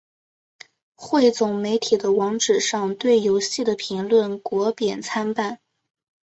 汇总媒体的网址上对游戏的评论褒贬参半。